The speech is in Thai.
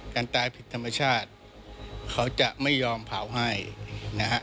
การตายผิดธรรมชาติเขาจะไม่ยอมเผาให้นะฮะ